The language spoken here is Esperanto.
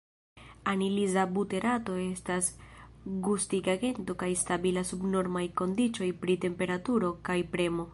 Anizila buterato estas gustigagento kaj stabila sub normaj kondiĉoj pri temperaturo kaj premo.